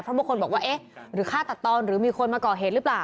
เพราะบางคนบอกว่าเอ๊ะหรือฆ่าตัดตอนหรือมีคนมาก่อเหตุหรือเปล่า